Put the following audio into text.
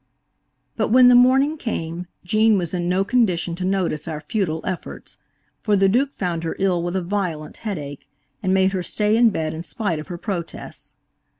But when the morning came Gene was in no condition to notice our futile efforts, for the Duke found her ill with a violent headache, and made her stay in bed in spite of her protests.